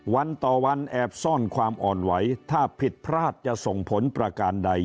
วันต่อวันแอบซ่อนความอ่อนไหวถ้าผิดพลาดจะส่งผลประการใด